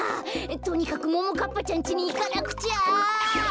とにかくももかっぱちゃんちにいかなくちゃ。